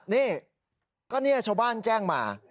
นี่ก็เนี่ยชาวบ้านแจ้งมา